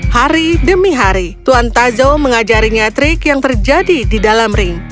hari demi hari tuan tazo mengajarinya trik yang terjadi di dalam ring